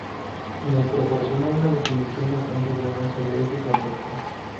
Nos proporciona una definición bastante buena sobre ese concepto.